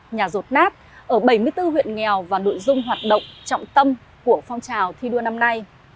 nhà rột nát ở bảy mươi bốn huyện nghèo và nội dung hoạt động trọng tâm của phong trào thi đua năm nay